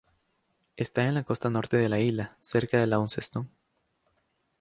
Está en la costa norte de la isla, cerca de Launceston.